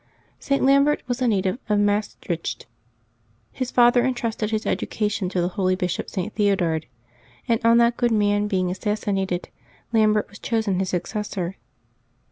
[t. Lambert was a native of Maestricht. His father intrusted his education to the holy Bishop St. Theodard, and on that good man being assassinated, Lam bert was chosen his successor.